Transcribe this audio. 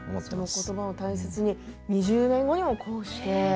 その言葉を大切に２０年後にもこうして。